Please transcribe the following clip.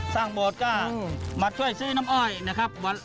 โบสถ์ก็มาช่วยซื้อน้ำอ้อยนะครับ